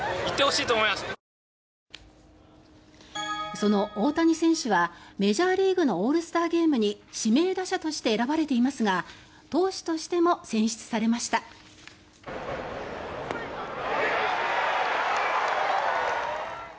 その大谷選手はメジャーリーグのオールスターゲームに指名打者として選ばれていますが投手としても選出されました。